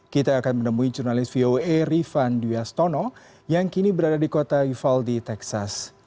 kita akan menemui jurnalis voa rifan dwiastono yang kini berada di kota uvaldi texas